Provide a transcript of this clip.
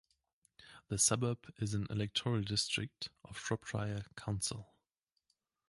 The suburb is an electoral district of Shropshire Council.